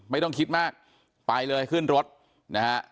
ไม่ต้องคิดมากไปเลยขึ้นรถนะฮะ